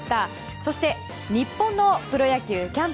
そして日本のプロ野球キャンプ。